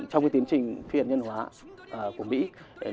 trong cái tiến trình phiền nhân hóa của mỹ